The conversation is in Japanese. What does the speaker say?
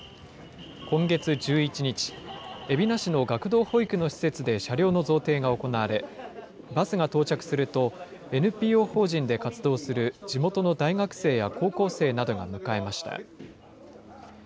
今月１１日、海老名市の学童保育の施設で車両の贈呈が行われ、バスが到着すると、ＮＰＯ法人で活動する地元の大学生や高校生などが迎えました。